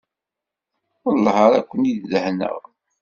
Welleh ara ken-in-dehneɣ.